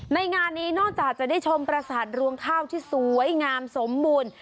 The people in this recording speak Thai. งานนี้นอกจากจะได้ชมประสาทรวงข้าวที่สวยงามสมบูรณ์